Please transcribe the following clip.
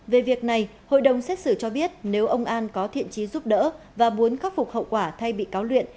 về việc này hội đồng xét xử cho biết nếu ông an có thiện trí giúp đỡ và muốn khắc phục hậu quả thay bị cáo luyện